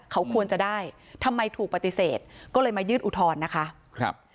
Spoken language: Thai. เขาควรจะได้ทำไมถูกปฏิเสธก็เลยมายื่นอุทธรณ์นะคะครับ